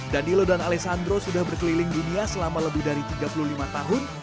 danilo dan alesandro sudah berkeliling dunia selama lebih dari tiga puluh lima tahun